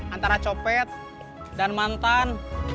antara copet dan mantan